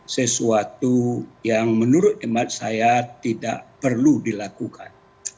sesuatu yang menurut ahli bamar return negara saya tidak perlu dilakukan